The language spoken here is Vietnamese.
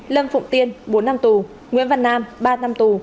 lâm phụng tiên bốn năm tù nguyễn văn nam ba năm tù